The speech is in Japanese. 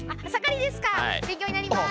勉強になります。